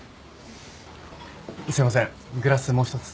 すいませんグラスもう１つ。